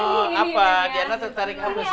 oh apa diana tertarik kamu sih